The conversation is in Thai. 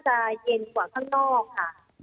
อุณหภูมิก็น่าจะเย็นกว่าข้างนอกค่ะ